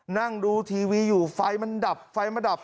นั่งดูทีวีอยู่ไฟมันดับไฟมาดับ